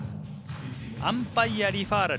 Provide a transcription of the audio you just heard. アンパイアリファーラル。